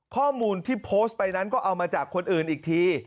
ข้อมูลที่โพสต์ไปนั้นก็เอามาจากคนอื่นอีกที